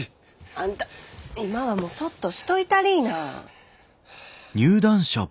あんた今はもうそっとしといたりぃな。